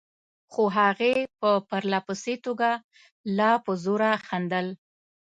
خو هغې په پرله پسې توګه لا په زوره خندل.